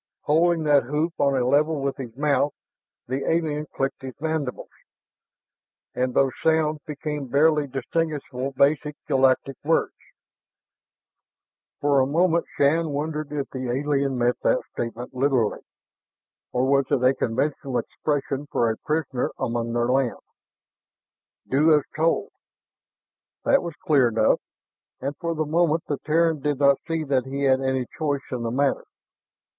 Holding that hoop on a level with his mouth, the alien clicked his mandibles, and those sounds became barely distinguishable basic galactic words. "You Throg meat!" For a moment Shann wondered if the alien meant that statement literally. Or was it a conventional expression for a prisoner among their land. "Do as told!" That was clear enough, and for the moment the Terran did not see that he had any choice in the matter.